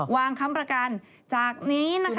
ค้ำประกันจากนี้นะคะ